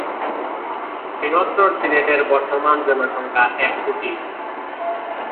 বৃহত্তর সিলেটের বর্তমান জনসংখ্যা এক কোটি।